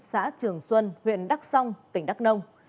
xã trường xuân huyện đắc song tỉnh đắc nông